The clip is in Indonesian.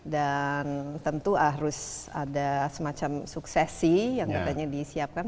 dan tentu harus ada semacam suksesi yang katanya disiapkan